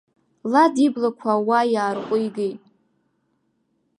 Лад иблақәа ауаа иаарҟәигеит.